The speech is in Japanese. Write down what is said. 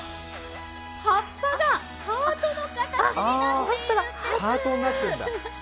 葉っぱがハートの形になっているんです。